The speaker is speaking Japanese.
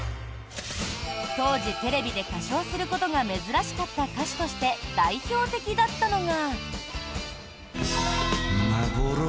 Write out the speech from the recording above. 当時、テレビで歌唱することが珍しかった歌手として代表的だったのが。